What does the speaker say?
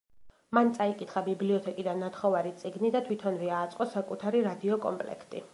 მან წაიკითხა ბიბლიოთეკიდან ნათხოვარი წიგნი და თვითონვე ააწყო საკუთარი „რადიო კომპლექტი“.